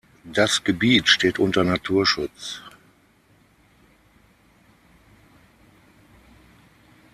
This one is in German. Das Gebiet steht unter Naturschutz.